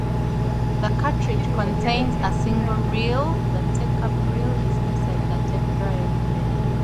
The cartridge contains a single reel; the takeup reel is inside the tape drive.